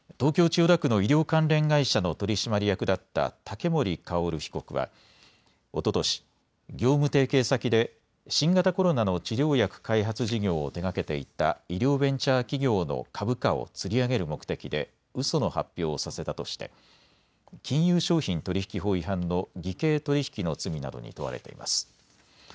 千代田区の医療関連会社の取締役だった竹森郁被告はおととし業務提携先で新型コロナの治療薬開発事業を手がけていた医療ベンチャー企業の株価をつり上げる目的でうその発表をさせたとして金融商品取引法違反の偽計取引の罪などに問われています。